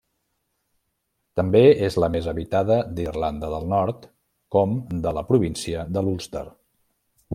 També és la més habitada d'Irlanda del Nord, com de la província de l'Ulster.